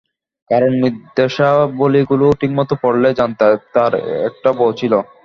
কারণ নির্দেশাবলীগুলো ঠিকমতো পড়লে, জানতে তার একটা বউ ছিল।